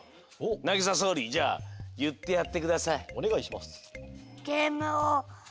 なぎさそうりじゃあいってやってください。